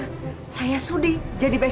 tunangan andre dan dewi